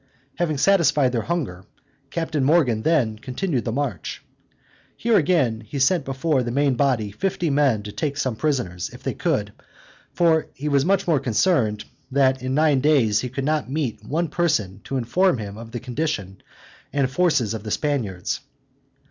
Having satisfied their hunger, Captain Morgan ordered them to continue the march. Here, again, he sent before the main body fifty men to take some prisoners, if they could; for he was much concerned, that in nine days he could not meet one person to inform him of the condition and forces of the Spaniards.